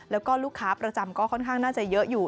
แล้วก็ลูกค้าประจำก็ค่อนข้างน่าจะเยอะอยู่